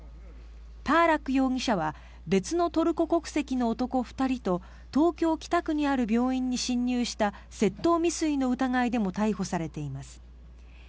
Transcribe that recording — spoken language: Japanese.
パーラック容疑者は別のトルコ国籍の男２人と東京・北区にある病院に侵入した窃盗未遂の疑いでも逮捕されています。